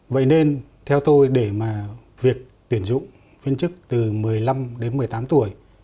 vậy nên theo tôi để mà việc tuyển dụng viên chức từ một mươi năm đến một mươi tám tuổi